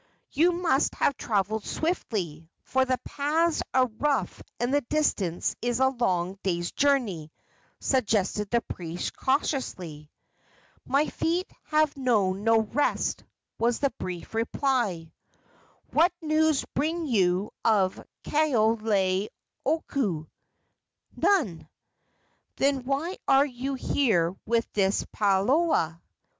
"You must have traveled swiftly, for the paths are rough and the distance is a long day's journey," suggested the priest, cautiously. "My feet have known no rest," was the brief reply. "What news bring you of Kaoleioku?" "None." "Then why are you here with this palaoa?"